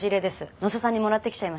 野瀬さんにもらってきちゃいました。